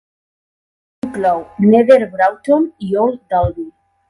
Inclou Nether Broughton i Old Dalby.